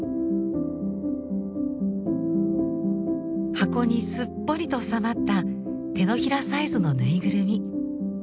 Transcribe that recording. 箱にすっぽりとおさまった手のひらサイズのぬいぐるみ。